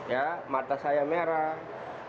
ya mata saya merah